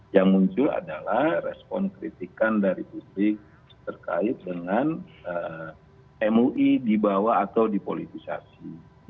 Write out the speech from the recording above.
yang muncul adalah respon kritikan dari publik terkait dengan mui dibawa atau dipolitisasi